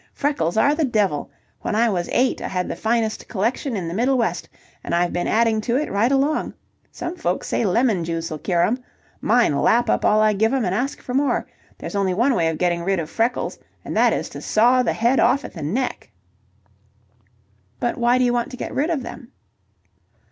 Freckles are the devil. When I was eight I had the finest collection in the Middle West, and I've been adding to it right along. Some folks say lemon juice'll cure 'em. Mine lap up all I give 'em and ask for more. There's only one way of getting rid of freckles, and that is to saw the head off at the neck." "But why do you want to get rid of them?"